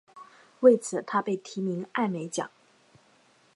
为此他被提名艾美奖。